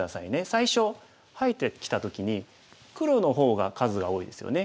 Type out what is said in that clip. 最初入ってきた時に黒の方が数が多いですよね。